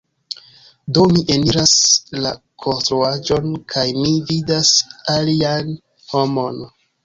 Do mi eniras la konstruaĵon kaj mi vidas alian homon.